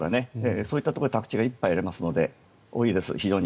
そういったところで宅地がいっぱいありますので非常に多いです。